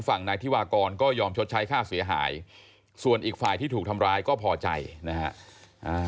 ฝั่งนายธิวากรก็ยอมชดใช้ค่าเสียหายส่วนอีกฝ่ายที่ถูกทำร้ายก็พอใจนะฮะ